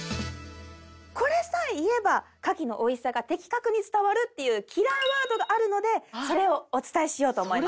これさえ言えば牡蠣のおいしさが的確に伝わるっていうキラーワードがあるのでそれをお伝えしようと思います。